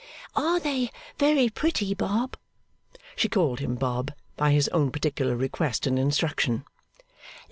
'Are they very pretty, Bob?' She called him Bob, by his own particular request and instruction.